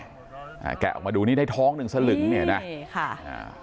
อ่าแกะออกมาดูนี่ได้ท้องหนึ่งสลึงเนี่ยนะนี่ค่ะอ่า